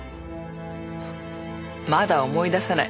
まだ思い出さない。